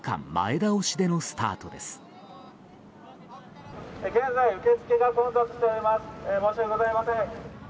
申し訳ございません。